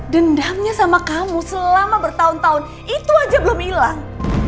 dendamnya sama kamu selama bertahun tahun itu aja belum hilang